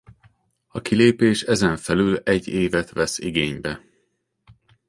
A kilépés ezen felül egy évet vesz igénybe.